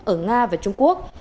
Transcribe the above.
ở nga và trung quốc